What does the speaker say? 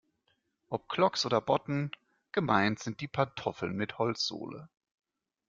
Ob Clogs oder Botten, gemeint sind die Pantoffeln mit Holzsohle.